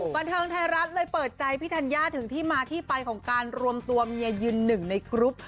บันเทิงไทยรัฐเลยเปิดใจพี่ธัญญาถึงที่มาที่ไปของการรวมตัวเมียยืนหนึ่งในกรุ๊ป